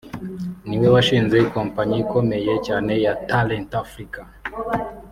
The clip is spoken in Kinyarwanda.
ni we washinze ikompanyi ikomeye cyane ya Talent Africa